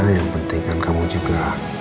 yang penting kan kamu juga